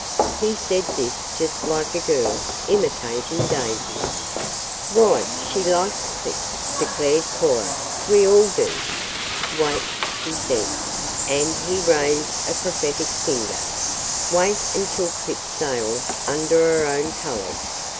He said this just like a girl, imitating Daisy. "Why, she likes Clip," declared Cora. "We all do." "Wait," he said, and he raised a prophetic finger, "wait until Clip sails under her own colors.